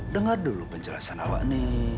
dengar dulu penjelasan awak ini